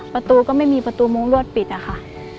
ประตูก็ไม่มีประตูมุ้งรวดปิดอะค่ะ